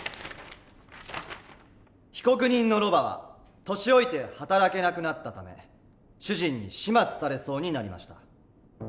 「被告人のロバは年老いて働けなくなったため主人に始末されそうになりました。